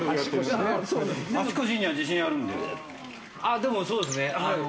でも、そうですね。